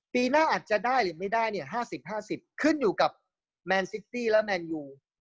ปีหน้าอาจจะได้หรือไม่ได้เนี่ย๕๐๕๐ขึ้นอยู่กับแมนซิตี้และแมนยู